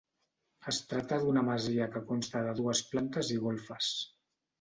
Es tracta d’una masia que consta de dues plantes i golfes.